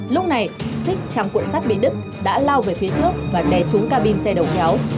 lúc này xích trong cuộn sắt bị đứt đã lao về phía trước và đè trúng ca bin xe đầu kéo